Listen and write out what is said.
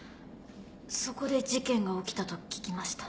そこで事件が起きたと聞きました。